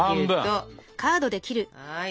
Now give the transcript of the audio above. はい。